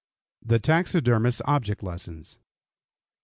THE TAXIDERMIST'S OBJECT LESSONS.